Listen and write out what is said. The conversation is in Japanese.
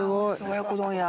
親子丼や。